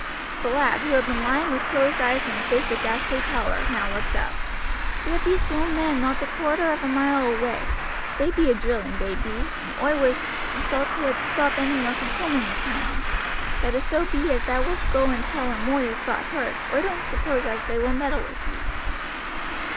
The lad, who had been lying with closed eyes and a face of ghastly pallor, now looked up. "There be soom men not a quarter of a mile away; they be a drilling, they be, and oi was sot here to stop any one from cooming upon em; but if so bee as thou wilt go and tell em oi has got hurt, oi don't suppose as they will meddle with ye."